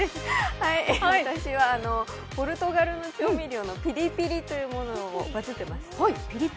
話はポルトガルの調味料のＰＩＲＩ−ＰＩＲＩというものがバズってます。